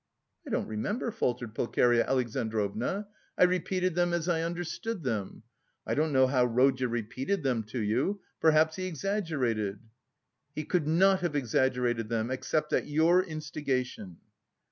"I don't remember," faltered Pulcheria Alexandrovna. "I repeated them as I understood them. I don't know how Rodya repeated them to you, perhaps he exaggerated." "He could not have exaggerated them, except at your instigation."